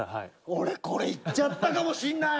俺これいっちゃったかもしんない！